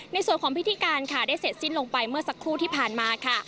ในส่วนของพิธีการค่ะได้เสร็จสิ้นลงไปเมื่อสักครู่ที่ผ่านมาค่ะ